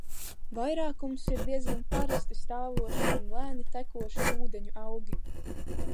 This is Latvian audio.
Vairākums ir diezgan parasti stāvošu un lēni tekošu ūdeņu augi.